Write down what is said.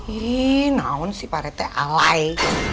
ih naun sih parete alay